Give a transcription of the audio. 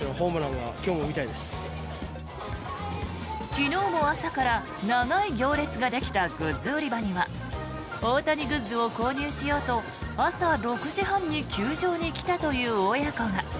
昨日も朝から長い行列ができたグッズ売り場には大谷グッズを購入しようと朝６時半に球場に来たという親子が。